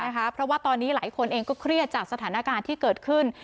เพราะว่าตอนนี้หลายคนเองก็เครียดจากสถานการณ์ที่เกิดขึ้น